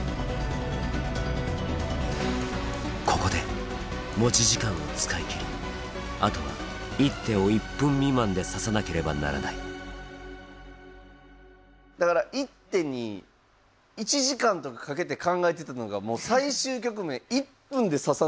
ここで持ち時間を使い切りあとは一手を１分未満で指さなければならないだから一手に１時間とかかけて考えてたのがもう最終局面１分で指さないと駄目だと。